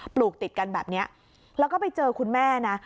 ปลูกติดกันแบบนี้แล้วก็ไปเจอคุณแม่นะ